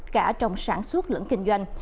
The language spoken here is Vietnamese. cả trong sản xuất lẫn kinh doanh